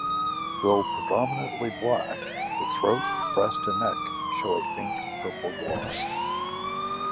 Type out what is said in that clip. Though predominantly black, the throat, breast and neck show a faint purple gloss.